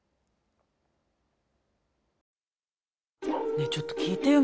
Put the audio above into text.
ねえちょっと聞いてよ